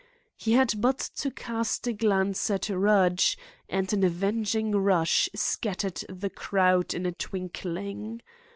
He had but to cast a glance at Rudge and an avenging rush scattered the crowd in a twinkling.